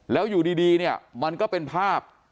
แล้วอยู่ดีมันก็เป็นภาพ